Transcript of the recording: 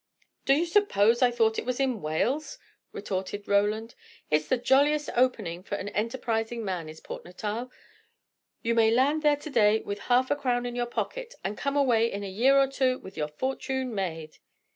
"Do you suppose I thought it was in Wales?" retorted Roland. "It's the jolliest opening for an enterprising man, is Port Natal. You may land there to day with half a crown in your pocket, and come away in a year or two with your fortune made."